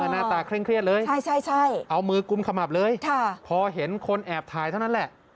หน้าตาเคร่งเครียดเลยเอามือกุมขมับเลยพอเห็นคนแอบถ่ายเท่านั้นแหละ